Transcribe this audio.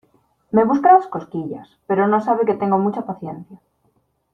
Me busca las cosquillas, pero no sabe que tengo mucha paciencia.